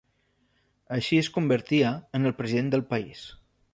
Així es convertia en el president del país.